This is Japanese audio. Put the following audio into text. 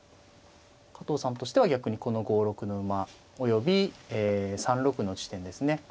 加藤さんとしては逆にこの５六の馬および３六の地点ですね。